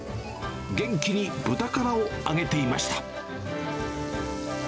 元気にブタカラを揚げていました。